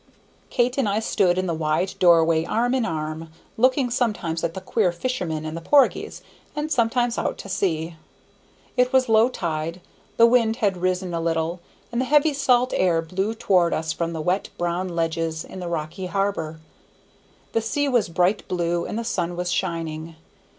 Kate and I stood in the wide doorway, arm in arm, looking sometimes at the queer fisherman and the porgies, and sometimes out to sea. It was low tide; the wind had risen a little, and the heavy salt air blew toward us from the wet brown ledges in the rocky harbor. The sea was bright blue, and the sun was shining.